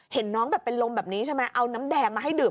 เห็นน้องแบบเป็นลมแบบนี้ใช่ไหมเอาน้ำแดงมาให้ดื่ม